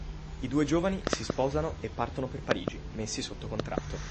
I due giovani si sposano e partono per Parigi, messi sotto contratto.